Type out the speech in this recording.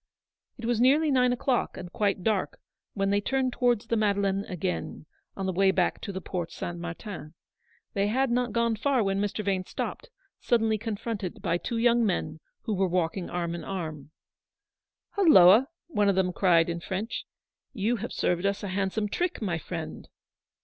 It was nearly nine o'clock, and quite dark, when they turned towards the Madeleine again, on the way back to the Porte St. Martin. They had not gone far when Mr. Vane stopped, sud denly confronted by two young men who were walking arm in arm. UPON THE THRESHOLD OF A GREAT SORROW. 87 " Hulloa !" one of them cried in French, " you have served us a handsome trick, my friend."